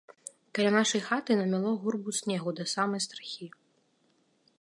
Каля нашай хаты намяло гурбу снегу да самай страхі.